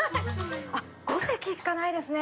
あっ、５席しかないですね。